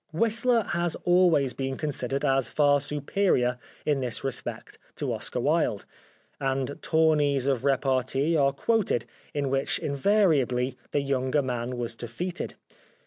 Whistler has al ways been considered as far superior in this respect to Oscar Wilde, and tourneys of repartee are quoted in which invariably the younger man was defeated.